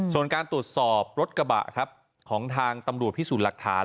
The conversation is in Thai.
ส่วนการตรวจสอบรถกระบะครับของทางตำรวจพิสูจน์หลักฐาน